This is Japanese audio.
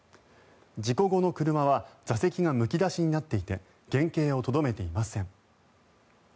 事故後の車は座席がむき出しになっていて原形をとどめていません。